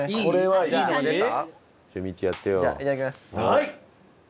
はい。